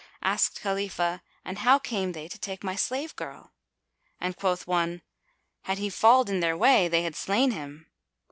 Asked Khalifah, "And how came they to take my slave girl?"; and quoth one, "Had he falled in their way, they had slain him."